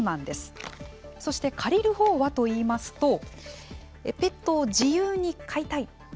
そして借りる方はといいますとペットを自由に飼いたい。